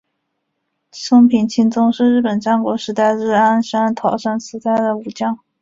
松平清宗是日本战国时代至安土桃山时代的武将。